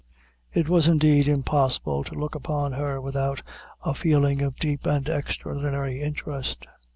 It was, indeed, impossible to look upon her without a feeling of deep and extraordinary interest.